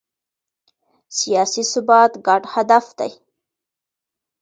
سیاسي ثبات ګډ هدف دی